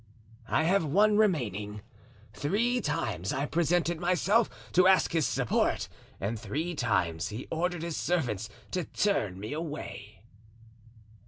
"I have one remaining. Three times I presented myself to ask his support and three times he ordered his servants to turn me away."